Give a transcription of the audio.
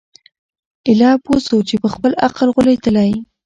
ایله پوه سو په خپل عقل غولیدلی